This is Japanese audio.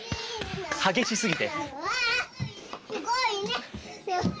激しすぎて。